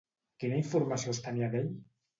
Quina informació es tenia d'ell?